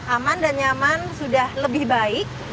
aman dan nyaman sudah lebih baik